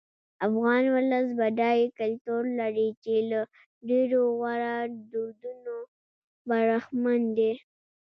افغان ولس بډای کلتور لري چې له ډېرو غوره دودونو برخمن دی.